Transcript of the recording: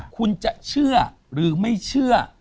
คุณจะเชื่อหรือไม่เชื่อ